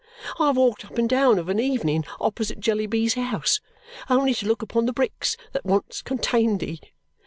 I have walked up and down of an evening opposite Jellyby's house only to look upon the bricks that once contained thee.